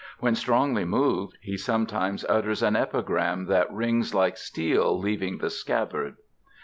When strongly moved he sometimes utters an epigram that rings like steel leaving the scabbard.